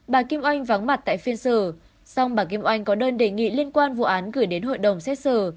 bà kim oanh vắng mặt tại phiên xử xong bà kim oanh có đơn đề nghị liên quan vụ án gửi đến hội đồng xét xử